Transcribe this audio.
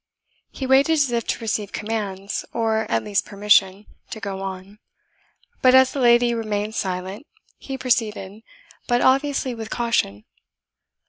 He waited as if to receive commands, or at least permission, to go on; but as the lady remained silent, he proceeded, but obviously with caution.